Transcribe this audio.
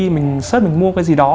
mình search mình mua cái gì đó